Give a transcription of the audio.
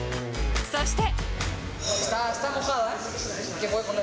そして。